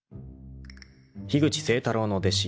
［樋口清太郎の弟子。